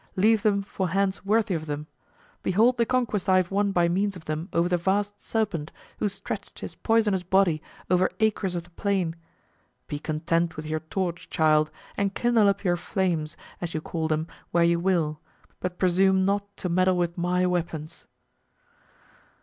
Leave them for hands worthy of them. Behold the conquest I have won by means of them over the vast serpent who stretched his poisonous body over acres of the plain! Be content with your torch, child, and kindle up your flames, as you call them, where you will, but presume not to meddle with my weapons."